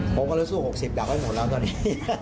ผมก็รู้สึก๖๐ดักไว้หมดแล้วตอนนี้